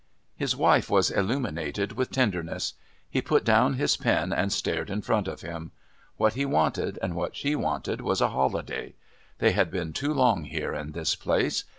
His wife was illuminated with tenderness. He put down his pen and stared in front of him. What he wanted and what she wanted was a holiday. They had been too long here in this place.